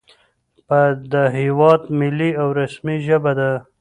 په د هېواد ملي او رسمي ژبه ده